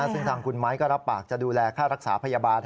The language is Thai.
ซึ่งทางคุณไม้ก็รับปากจะดูแลค่ารักษาพยาบาล